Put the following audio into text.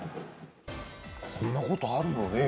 こんなことあるのね。